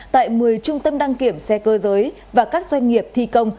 tại một mươi trung tâm đăng kiểm xe cơ giới và các doanh nghiệp thi công